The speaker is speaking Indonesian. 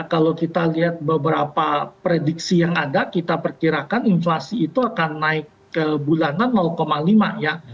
kalau kita lihat beberapa prediksi yang ada kita perkirakan inflasi itu akan naik ke bulanan lima ya